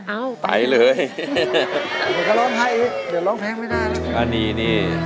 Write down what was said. เอ้าไปเลย